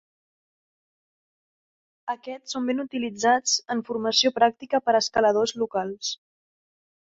Aquests són ben utilitzats en formació pràctica per escaladors locals.